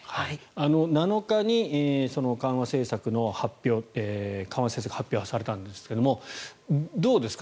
７日に緩和政策が発表されたんですがどうですか？